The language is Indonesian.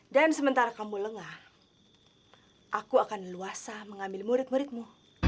dan sementara kamu lengah aku akan leluasa mengambil murid muridmu